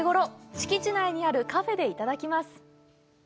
敷地内にあるカフェでいただきます。